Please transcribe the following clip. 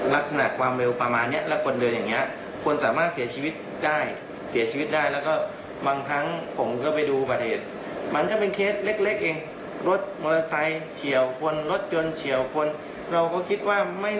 ระวังอยากให้ช่วยกันดูแลนะครับ